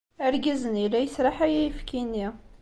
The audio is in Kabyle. Argaz-nni la yesraḥay ayefki-nni.